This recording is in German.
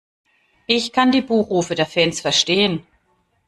Ich kann die Buh-Rufe der Fans verstehen.